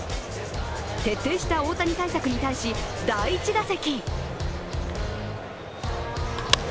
徹底した大谷対策に対し第１打席。